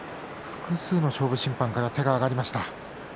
複数の勝負審判から手が上がりました。